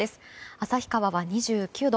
旭川は２９度。